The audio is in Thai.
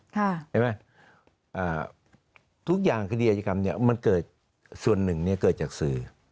เห็นไหมทุกอย่างคดีอาจกรรมเนี่ยมันเกิดส่วนหนึ่งเนี่ยเกิดจากสื่อ